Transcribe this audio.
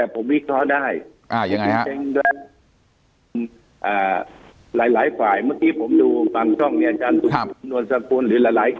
ผมคงไปฆาตการณ์เรื่องน่าไม่ได้แต่ผมวิเคราะห์ได้